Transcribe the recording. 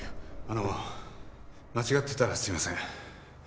あの間違ってたらすみません。